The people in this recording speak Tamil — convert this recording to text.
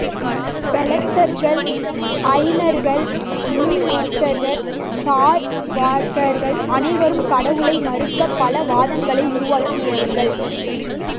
பெளத்தர்கள், ஜைனர்கள், மீமாம்சகர், சாருவாகர்கள் அனைவரும் கடவுளை மறுக்கப் பல வாதங்களை உருவாக்கியவர்கள்.